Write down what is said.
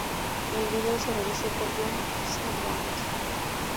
El vídeo se realizó por John Sanborn.